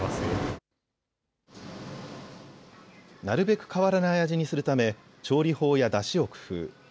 なるべく変わらない味にするため調理法やだしを工夫。